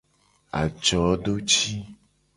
Ajodoci.